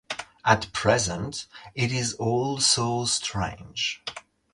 At present it is all so strange.